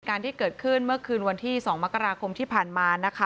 การที่เกิดขึ้นเมื่อคืนวันที่๒มกราคมที่ผ่านมานะคะ